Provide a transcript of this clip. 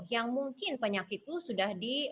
yang mungkin penyakit itu sudah di